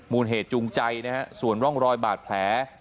เหตุจูงใจนะฮะส่วนร่องรอยบาดแผล